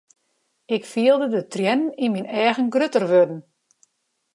Ik fielde de triennen yn myn eagen grutter wurden.